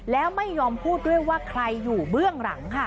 แล้วไม่ยอมพูดด้วยว่าใครอยู่เบื้องหลังค่ะ